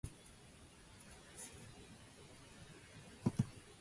Nationals of one country could set up corporations under the laws of the other.